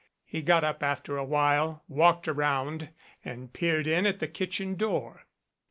He got up after a while, walked around and peered in at the kitchen door.